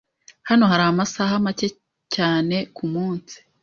Hano hari amasaha make cyane kumunsi.